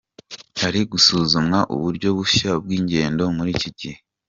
Hari gusuzumwa uburyo bushya bw’ingendo muri Kigali.